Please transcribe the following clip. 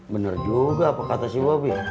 bener juga apa kata si bobby